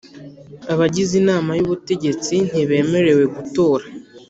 Abagize Inama y Ubutegetsi ntibemerewe gutora